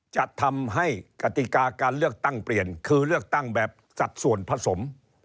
จะทำให้กติกาการเลือกตั้งเปลี่ยนคือเลือกตั้งแบบสัดส่วนผสม